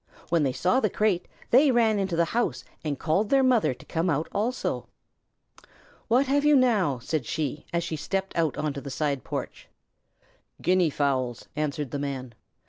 When they saw the crate, they ran into the house and called their mother to come out also. "What have you now?" said she, as she stepped onto the side porch. "Guinea fowls," answered the Man.